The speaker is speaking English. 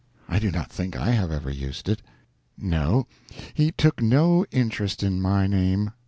I do not think I have ever used it. No, he took no interest in my name.